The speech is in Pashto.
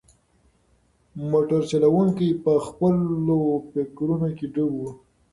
موټر چلونکی په خپلو فکرونو کې ډوب و.